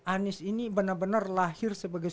anies ini benar benar lahir sebagai